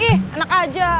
ih anak aja